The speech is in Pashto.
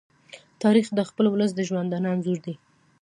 تاریخ د خپل ولس د ژوندانه انځور دی.